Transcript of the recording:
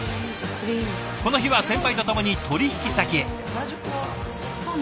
この日は先輩とともに取引先へ。